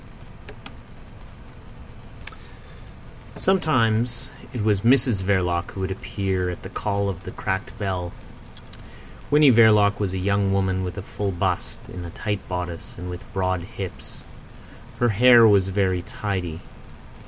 Sometimes it was Mrs Verloc who would appear at the call of the cracked bell. Winnie Verloc was a young woman with a full bust, in a tight bodice, and with broad hips. Her hair was very tidy.